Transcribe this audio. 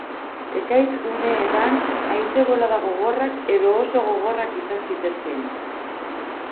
Ekaitz-guneetan, haize-bolada gogorrak edo oso gogorrak izan zitezkeen.